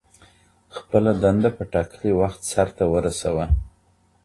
خپله دنده په ټاکلي وخت سرته ورسوه.